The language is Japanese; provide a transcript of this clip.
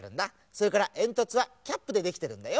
それからえんとつはキャップでできてるんだよ。